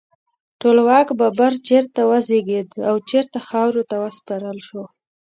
ټولواک بابر چیرته وزیږید او چیرته خاورو ته وسپارل شو؟